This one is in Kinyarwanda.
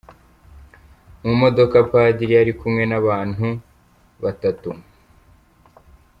Mu modoka Padiri yari ari kumwe n’abantu batatu.